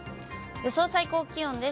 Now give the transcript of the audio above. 予想最高気温です。